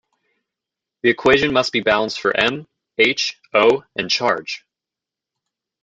The equation must be balanced for M, H, O and charge.